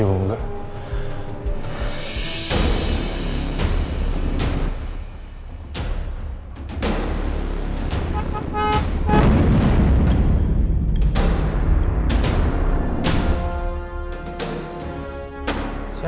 yaanovah ya ya